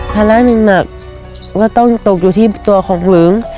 ภาระหนักก็ต้องตกอยู่ที่ตัวของเหลิง